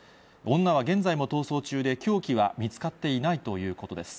女は現在も逃走中で凶器は見つかっていないということです。